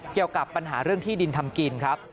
เกี่ยวกับปัญหาเรื่องที่ดินทำกินครับ